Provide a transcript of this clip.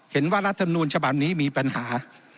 เห็นว่ารัฐมนูลฉบับนี้มีปัญหา